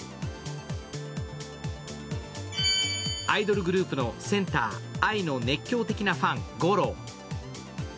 アイドルグループのセンター・アイの熱狂的なファン・ゴロー。